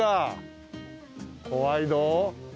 怖いぞ。